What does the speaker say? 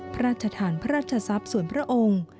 พระราชทานพระราชทรัพย์ส่วนพระองค์